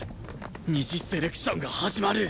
二次セレクションが始まる！